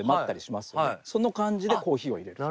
その感じでコーヒーを入れると。